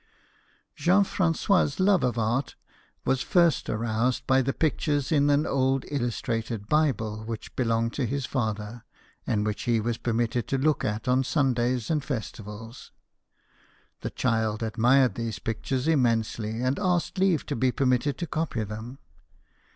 Jean Franois' love of art was first aroused by the pictures in an old illustrated Bible which belonged to his father, and which he was per JEAN FRANQOIS MILLET, PAINTER. 119 mitted to look at on Sundays and festivals. The child admired these pictures immensely, and asked leave to be permitted to copy them.